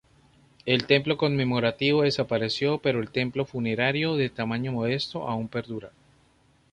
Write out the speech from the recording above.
El "templo conmemorativo" desapareció, pero el templo funerario, de tamaño modesto, aún perdura.